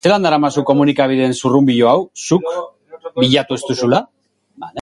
Zelan daramazu komunikabideen zurrunbilo hau, zuk, bilatu ez duzula?